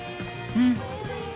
うん。